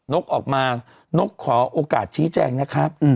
กออกมานกขอโอกาสชี้แจงนะครับ